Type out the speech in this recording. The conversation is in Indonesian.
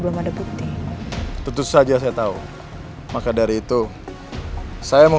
boleh gak aku ke pantai asurang